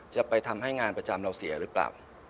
จะไปทำให้งานประจำเราเสียหรือเปล่า